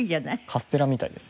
カステラみたいです。